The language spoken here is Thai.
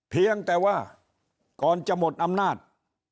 เพียงแต่ว่าก่อนจะหมดอำนาจ